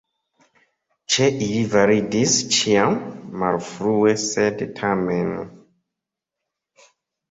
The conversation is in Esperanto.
Ĉe ili validis ĉiam: "malfrue, sed tamen".